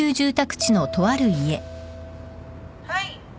はい。